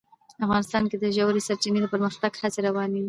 افغانستان کې د ژورې سرچینې د پرمختګ هڅې روانې دي.